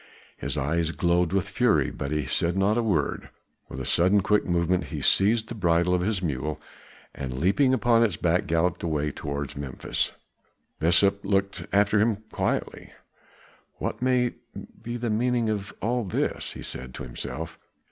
His eyes glowed with fury, but he said not a word; with a sudden quick movement, he seized the bridle of his mule, and leaping upon its back galloped away towards Memphis. Besa looked after him quietly. "What may be the meaning of all this?" he said to himself.